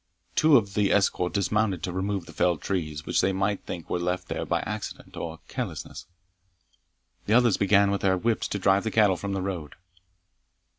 Two of the escort dismounted to remove the felled trees, which they might think were left there by accident or carelessness. The others began with their whips to drive the cattle from the road.